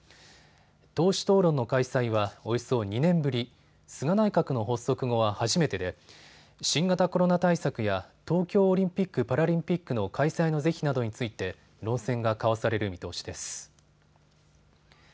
党首討論の開催はおよそ２年ぶり、菅内閣の発足後は初めてで新型コロナ対策や東京オリンピック・パラリンピックの開催の是非などについて論戦が交わされる見通しです。